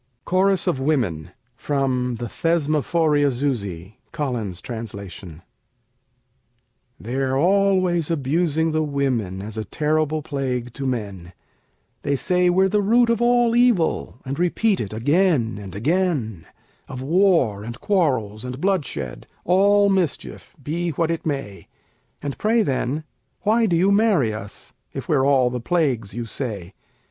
CHORUS OF WOMEN From the 'Thesmophoriazusæ': Collins's Translation They're always abusing the women, As a terrible plague to men: They say we're the root of all evil, And repeat it again and again; Of war, and quarrels, and bloodshed, All mischief, be what it may! And pray, then, why do you marry us, If we're all the plagues you say?